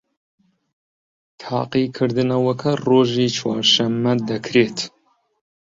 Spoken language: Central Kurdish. تاقیکردنەوەکە ڕۆژی چوارشەممە دەکرێت